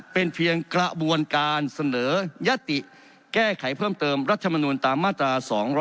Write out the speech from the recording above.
เป็นเพียงกระบวนการเสนอยติแก้ไขเพิ่มเติมรัฐมนุนตามมาตรา๒๗